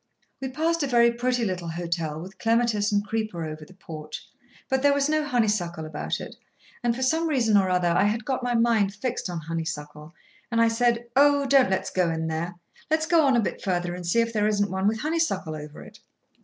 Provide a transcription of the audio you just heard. We passed a very pretty little hotel, with clematis and creeper over the porch; but there was no honeysuckle about it, and, for some reason or other, I had got my mind fixed on honeysuckle, and I said: "Oh, don't let's go in there! Let's go on a bit further, and see if there isn't one with honeysuckle over it."